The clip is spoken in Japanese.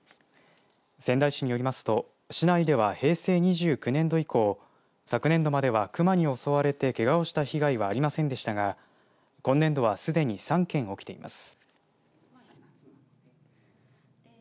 仙台市によりますと市内では平成２９年度以降、昨年度まではクマに襲われてけがをした被害はありませんでしたが今年度はすでに３件起きています。